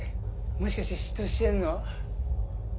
もしかして嫉妬してんの？